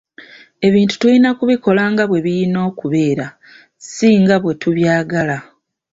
Ebintu tuyina kubikola nga bwe biyina kubeera si nga bwe tubyagala.